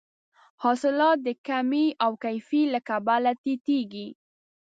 حاصلات د کمې او کیفي له کبله ټیټیږي.